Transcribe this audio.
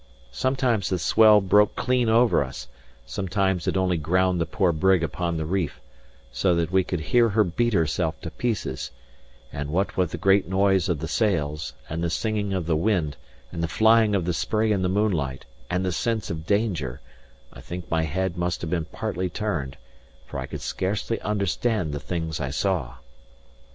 Sometimes the swell broke clean over us; sometimes it only ground the poor brig upon the reef, so that we could hear her beat herself to pieces; and what with the great noise of the sails, and the singing of the wind, and the flying of the spray in the moonlight, and the sense of danger, I think my head must have been partly turned, for I could scarcely understand the things I saw.